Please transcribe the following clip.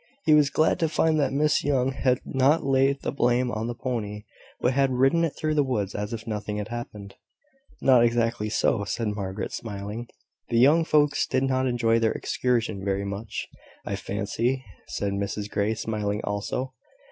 He was glad to find that Miss Young had not laid the blame on the pony, but had ridden it through the woods as if nothing had happened. "Not exactly so," said Margaret, smiling. "The young folks did not enjoy their excursion very much, I fancy," said Mrs Grey, smiling also.